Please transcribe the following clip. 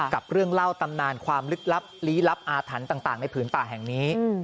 กับเรื่องเล่าตำนานความลึกลับลี้ลับอาถรรพ์ต่างในผืนป่าแห่งนี้